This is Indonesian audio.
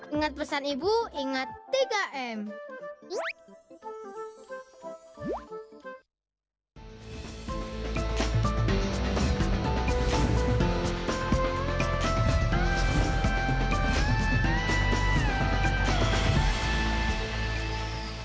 ingat pesan ibu ingat tiga m